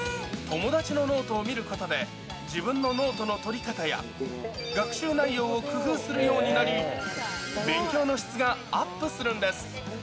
友達のノートを見ることで、自分のノートの取り方や、学習内容を工夫するようになり、勉強の質がアップするんです。